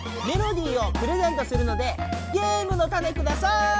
メロディーをプレゼントするのでゲームのタネください！